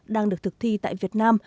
đang được thực thi tại việt nam